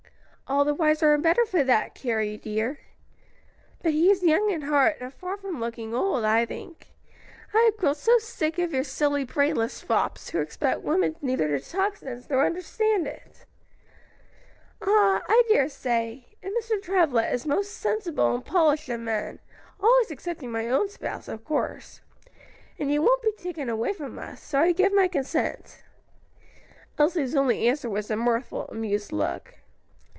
"All the wiser and better for that, Carrie, dear. But he is young in heart, and far from looking old, I think. I have grown so sick of your silly, brainless fops, who expect women neither to talk sense nor understand it." "Ah, I dare say! and Mr. Travilla is the most sensible and polished of men always excepting my own spouse, of course. And you won't be taken away from us; so I give my consent." Elsie's only answer was a mirthful, amused look.